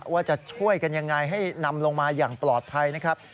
ว่าจะช่วยกันยังไงให้นำลงมาอย่างปลอดภัยนะครับ